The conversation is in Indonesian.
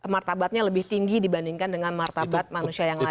martabatnya lebih tinggi dibandingkan dengan martabat manusia yang lain